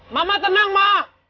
mama tenang ma